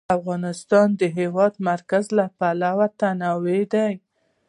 افغانستان د د هېواد مرکز له پلوه متنوع دی.